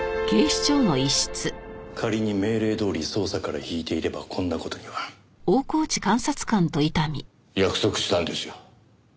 仮に命令どおり捜査から引いていればこんな事には。約束したんですよ。